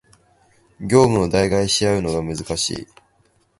業務を代替し合うのが難しい